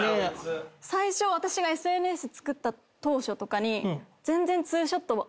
最初私がＳＮＳ作った当初とかに。